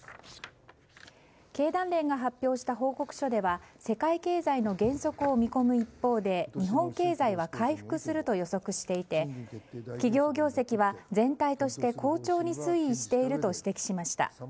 経団連が発表した報告書では世界経済の減速を見込む一方で、日本経済は回復すると予想していて企業業績は全体として好調に推移していると指摘しました。